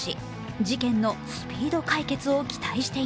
事件のスピード解決を期待してい